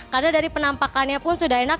karena dari penampakannya pun sudah enak